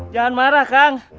jangan marah kang